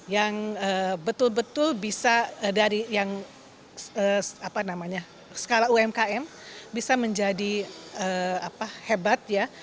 yang betul betul bisa dari yang skala umkm bisa menjadi hebat ya